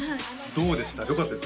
どうでした？